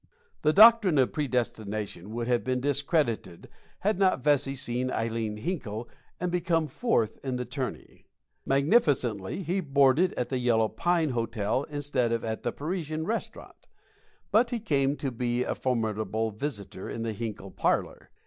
The doctrine of predestination would have been discredited had not Vesey seen Ileen Hinkle and become fourth in the tourney. Magnificently, he boarded at the yellow pine hotel instead of at the Parisian Restaurant; but he came to be a formidable visitor in the Hinkle parlor.